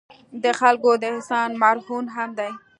د خلکو د احسان مرهون هم دي.